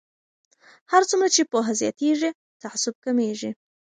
هر څومره چې پوهه زیاتیږي تعصب کمیږي.